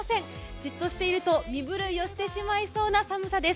じっとしていると身震いをしてしまいそうな寒さです。